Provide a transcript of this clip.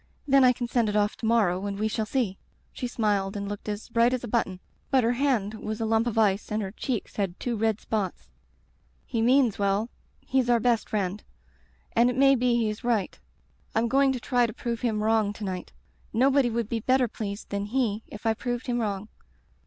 Then I can send it off to morrow and we shall see.' She smiled and looked as bright Digitized by LjOOQ IC Interventions as a button, but her hand was a lump of ice and her cheeks had two red spots. "*Hc means well. He's our best friend. And it may be he is right. Fm going to try to prove him wrong to night. Nobody would be better pleased than he if I proved him wrong.'